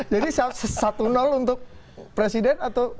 jadi satu nol untuk presiden atau oposisi